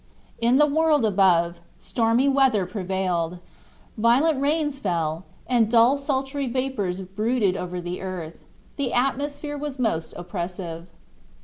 In the world above, stormy weather prevailed. Violent rains fell, and dull sultry vapors brooded over the earth; the atmosphere was most oppressive.